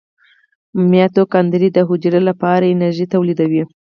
مایتوکاندري د حجرې لپاره انرژي تولیدوي